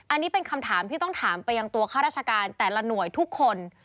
อันนี้เป็นคำถามที่ต้องถามไปยังตัวข้าราชการแต่ละหน่วยทุกคน